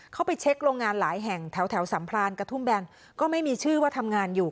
เขาไปเช็คโรงงานหลายแห่งแถวสัมพรานกระทุ่มแบนก็ไม่มีชื่อว่าทำงานอยู่